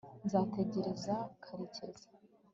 nzategereza karekezi